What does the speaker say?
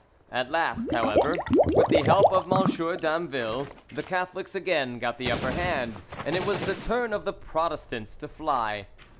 At last, however, with the help of M. Damville; the Catholics again got the upper hand, and it was the turn of the Protestants to fly.